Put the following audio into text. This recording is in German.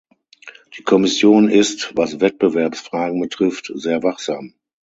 Die Kommission ist, was Wettbewerbsfragen betrifft, sehr wachsam.